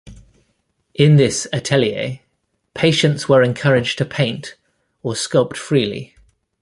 In this atelier, patients were encouraged to paint or sculpt freely.